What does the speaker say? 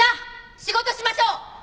仕事しましょう！